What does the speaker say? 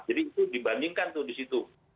jadi itu dibandingkan tuh disitu